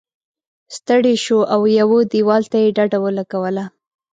ستړی شو او یوه دیوال ته یې ډډه ولګوله.